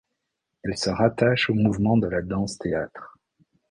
Elle se rattache au mouvement de la danse-théâtre.